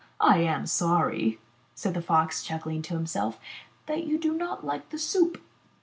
*'I am sorry," said the Fox, chuckling to himself, ''that you do not like the soup.''